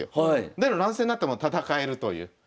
だけど乱戦になっても戦えるという。